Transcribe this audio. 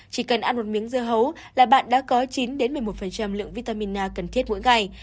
chỉ cần ăn một miếng dưa hấu là bạn đã có chín một mươi một lượng vitamin a cần thiết mỗi ngày